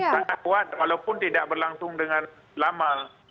sangat kuat walaupun tidak berlangsung dengan lama